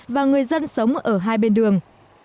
và người dân sống ở hai bên đường